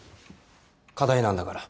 課題なんだから。